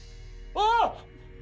あっ！